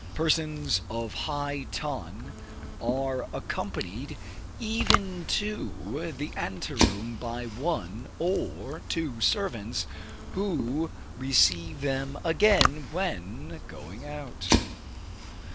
Persons of high ton are accompanied even to the ante room by one or two servants, who receive them again when going out.